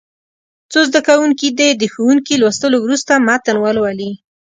څو زده کوونکي دې د ښوونکي لوستلو وروسته متن ولولي.